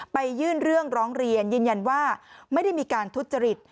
ยื่นเรื่องร้องเรียนยืนยันว่าไม่ได้มีการทุจริต